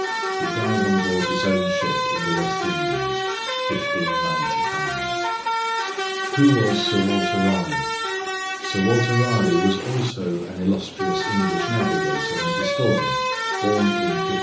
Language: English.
He died on board his own ship in the West Indies, 1595. Who was Sir Walter Raleigh? Sir Walter Raleigh was also an illustrious English navigator and historian, born in 1552.